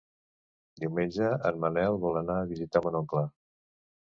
Diumenge en Manel vol anar a visitar mon oncle.